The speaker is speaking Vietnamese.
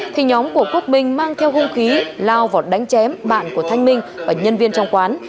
thì nhóm của quốc minh mang theo hung khí lao vào đánh chém bạn của thanh minh và nhân viên trong quán